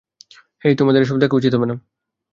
হেই, তোমার এসব দেখা উচিত না।